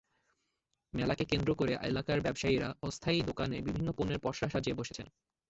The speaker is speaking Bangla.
মেলাকে কেন্দ্র করে এলাকার ব্যবসায়ীরা অস্থায়ী দোকানে বিভিন্ন পণ্যের পসরা সাজিয়ে বসেছেন।